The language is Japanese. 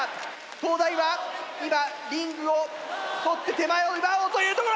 東大は今リングを取って手前を奪おうというところ！